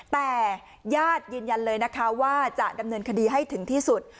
แต่ญาติยืนยันเลยนะคะว่าจะดำเนินคดีให้ถึงที่สุด